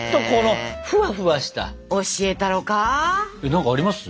何かあります？